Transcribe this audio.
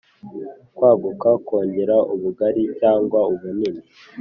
kwagura: kongera ubugari cyangwa ubunini.